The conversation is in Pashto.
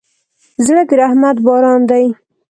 زړه د رحمت باران دی.